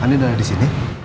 ani ada di sini